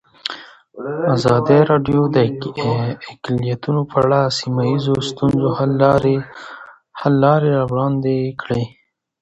ازادي راډیو د اقلیتونه په اړه د سیمه ییزو ستونزو حل لارې راوړاندې کړې.